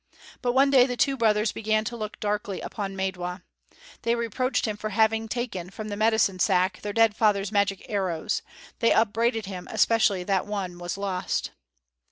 But one day the two brothers began to look darkly upon Maidwa. They reproached him for having taken from the medicine sack their dead father's magic arrows; they upbraided him especially that one was lost.